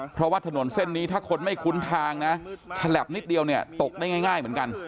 เพราะว่าถนนเส้นนี้ถ้าคนไม่คุ้นทางนะฉลับนิดเดียวเนี่ยตกได้ง่ายเหมือนกัน